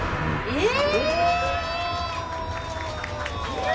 えっ！？